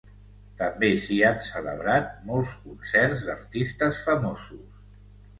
També s'hi han celebrat molts concerts d'artistes famosos.